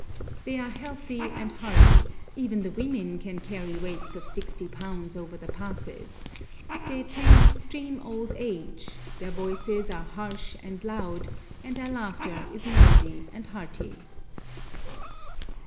They are healthy and hardy, even the women can carry weights of sixty pounds over the passes; they attain extreme old age; their voices are harsh and loud, and their laughter is noisy and hearty.